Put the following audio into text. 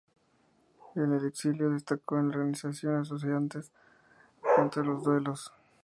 En el exilio destacó en la organización de asociaciones contra los duelos.